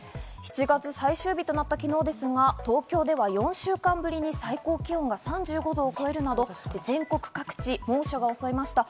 ７月最終日となった昨日、東京では４週間ぶりに最高気温が３５度を超えるなど全国各地を猛暑が襲いました。